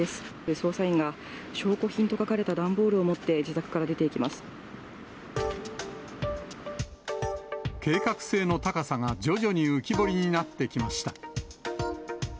捜査員が証拠品と書かれた段ボールを持って、自宅から出ていきま計画性の高さが徐々に浮き彫りになってきました。